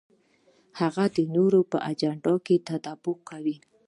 هغه د نورو په اجنډا کې تطابق کوي.